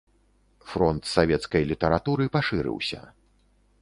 Фронт савецкай літаратуры пашырыўся.